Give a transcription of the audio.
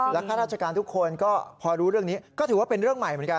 ข้าราชการทุกคนก็พอรู้เรื่องนี้ก็ถือว่าเป็นเรื่องใหม่เหมือนกัน